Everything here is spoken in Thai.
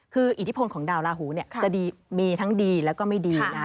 คืออิทธิพลของดาวราหูจะมีทั้งดีและก็ไม่ดี